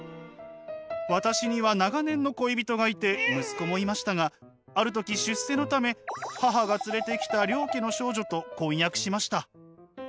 私には長年の恋人がいて息子もいましたがある時出世のため母が連れてきた良家の少女と婚約しました。